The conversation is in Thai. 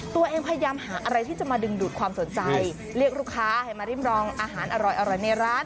พยายามหาอะไรที่จะมาดึงดูดความสนใจเรียกลูกค้าให้มาริมรองอาหารอร่อยในร้าน